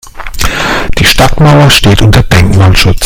Die Stadtmauer steht unter Denkmalschutz.